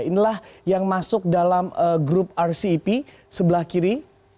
inilah yang masuk dalam grup rcep sebelah kiri